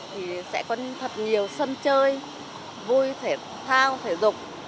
thì sẽ có thật nhiều sân chơi vui thể thao thể dục